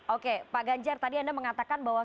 oke pak ganjar tadi anda mengatakan bahwa